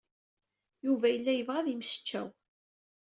Yuba yella yebɣa ad yemmecčaw.